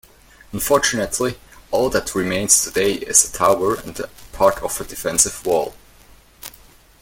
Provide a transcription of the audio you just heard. Unfortunately, all that remains today is a tower and part of a defensive wall.